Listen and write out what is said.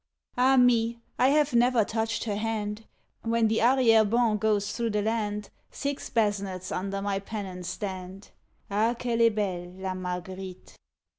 _ Ah me! I have never touch'd her hand; When the arriere ban goes through the land, Six basnets under my pennon stand; _Ah! qu'elle est belle La Marguerite.